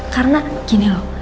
karena gini loh